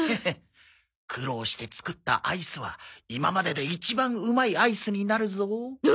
苦労して作ったアイスは今までで一番うまいアイスになるぞ。